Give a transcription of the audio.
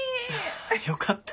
よかった。